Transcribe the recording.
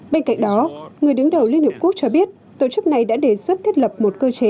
bên cạnh đó người đứng đầu liên hợp quốc cho biết tổ chức này đã đề xuất thiết lập một cơ chế